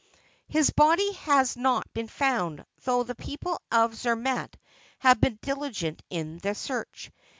' His body has not been found, though the people of Zermatt have been diligent in their search.